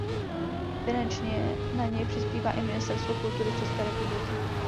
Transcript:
Finančně na něj přispívá i Ministerstvo kultury České republiky.